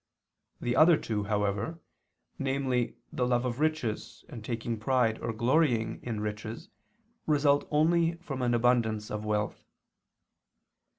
The other two, however, namely the love of riches and taking pride or glorying in riches, result only from an abundance of wealth.